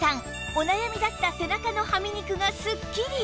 お悩みだった背中のはみ肉がスッキリ！